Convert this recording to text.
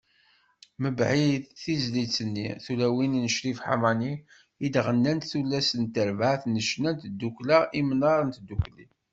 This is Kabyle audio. Mbeɛd, tizlit-nni “Tulawin” n Crif Ḥamani, i d-ɣennant tullas n terbaɛt n ccna n Tdukkkla Imnar n Tdukli.